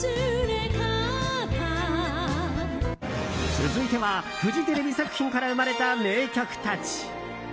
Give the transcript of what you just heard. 続いては、フジテレビ作品から生まれた名曲たち。